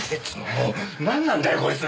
もうなんなんだよこいつ！